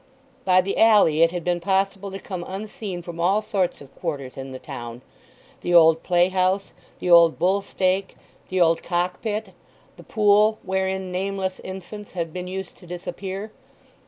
By the alley it had been possible to come unseen from all sorts of quarters in the town—the old play house, the old bull stake, the old cock pit, the pool wherein nameless infants had been used to disappear.